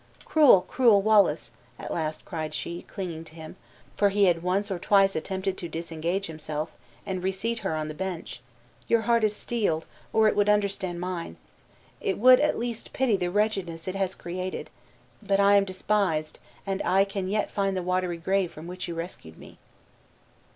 "Cruel, cruel Wallace!" at last cried she, clinging to him, for he had once or twice attempted to disengage himself, and reseat her on the bench; "your heart is steeled, or it would understand mine. It would at least pity the wretchedness it has created. But I am despised, and I can yet find the watery grave from which you rescued me."